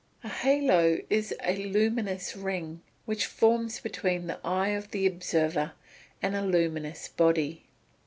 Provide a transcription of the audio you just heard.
_ A halo is a luminous ring, which forms between the eye of the observer and a luminous body.